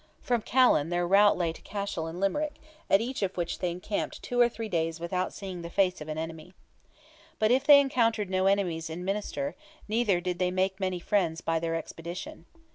From Callan their route lay to Cashel and Limerick, at each of which they encamped two or three days without seeing the face of an enemy. But if they encountered no enemies in Munster, neither did they make many friends by their expedition.